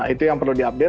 itu yang perlu diupdate